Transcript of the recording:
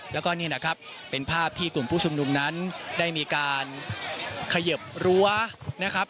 แล้วก็นี่นะครับเป็นภาพที่กลุ่มผู้ชุมนุมนั้นได้มีการเขยิบรั้วนะครับ